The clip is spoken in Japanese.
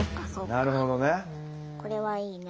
なるほどね。